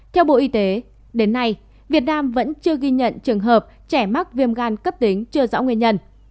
theo bộ y tế đến nay việt nam vẫn chưa ghi nhận trường hợp trẻ mắc viêm gan cấp tính chưa rõ nguyên nhân